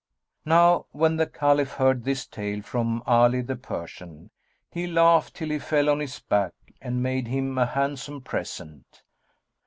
Now when the Caliph heard this tale from Ali the Persian, he laughed till he fell on his back and made him a handsome present.